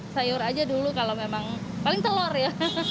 sayur aja dulu kalau memang paling telur ya